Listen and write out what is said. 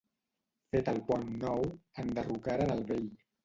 Fet el pont nou, enderrocaren el vell.